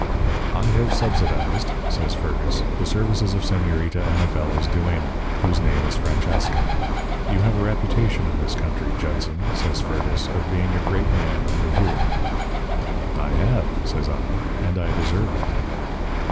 "'I have subsidized,' says Fergus, 'the services of Señorita Anabela's duenna, whose name is Francesca. You have a reputation in this country, Judson,' says Fergus, 'of being a great man and a hero.' "'I have,' says I. 'And I deserve it.'